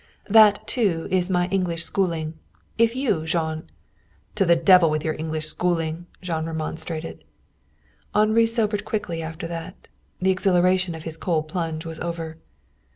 "That, too, is my English schooling. If you, Jean " "To the devil with your English schooling!" Jean remonstrated. Henri sobered quickly after that. The exhilaration of his cold plunge was over.